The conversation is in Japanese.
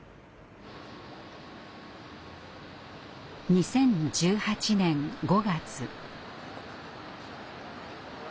２０１８年５月。